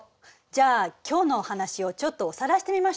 じゃあ今日のお話をちょっとおさらいしてみましょうか。